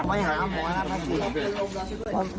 ไปหาหมอหน้าพระจิต